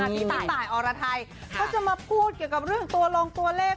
พี่ตายอรไทยเขาจะมาพูดเกี่ยวกับเรื่องตัวลงตัวเลข